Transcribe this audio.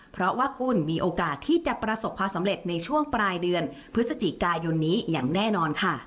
เพราะว่าคุณมีโอกาสที่จะประสบความสำเร็จในช่วงปลายเดือนพฤศจิกายนนี้อย่างแน่นอนค่ะ